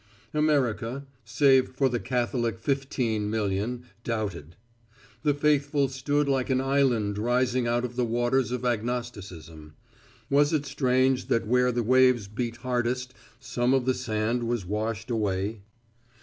America, save for the Catholic fifteen million, doubted. The faithful stood like an island rising out of the waters of agnosticism. Was it strange that where the waves beat hardest, some of the sand was washed away?